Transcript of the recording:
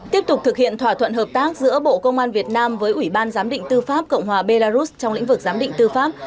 tiếp tục thực hiện thỏa thuận hợp tác giữa bộ công an việt nam với ủy ban giám định tư pháp cộng hòa belarus trong lĩnh vực giám định tư pháp